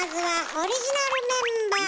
オリジナルメンバー！